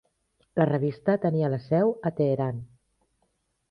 La revista tenia la seu a Teheran.